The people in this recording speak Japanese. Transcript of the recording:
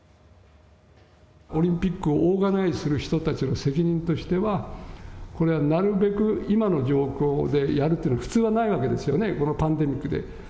オリンピックをオーガナイズする人たちの責任としては、これはなるべく今の状況でやるという、普通はないわけですよね、このパンデミックで。